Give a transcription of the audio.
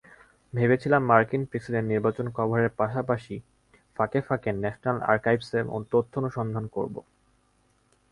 ভেবেছিলাম, মার্কিন প্রেসিডেন্ট নির্বাচন কভারের পাশাপাশি ফাঁকে ফাঁকে ন্যাশনাল আর্কাইভসে তথ্যানুসন্ধান করব।